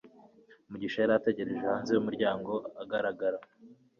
Mugisha yari ategereje hanze yumuryango agaragara